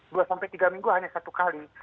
dua sampai tiga minggu hanya satu kali